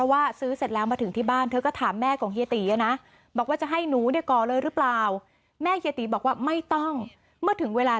พี่พี่พี่พี่พี่พี่พี่พี่พี่พี่พี่พี่พี่พี่